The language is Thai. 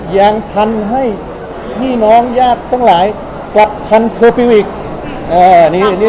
ยังทันให้มีน้องญาติทั้งหลายกลับทันเคอร์ฟิวอีกเอ่อนี้นี้